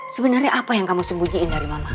sebenarnya apa yang kamu sembunyiin dari mama